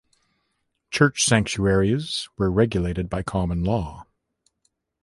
Church sanctuaries were regulated by common law.